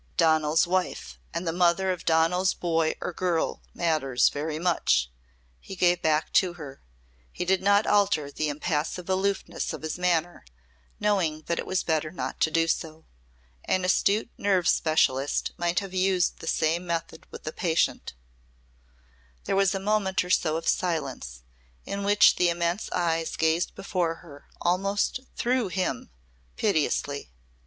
"Donal's wife and the mother of Donal's boy or girl matters very much," he gave back to her. He did not alter the impassive aloofness of his manner, knowing that it was better not to do so. An astute nerve specialist might have used the same method with a patient. There was a moment or so of silence in which the immense eyes gazed before her almost through him piteously.